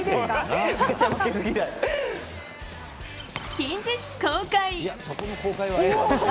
近日公開。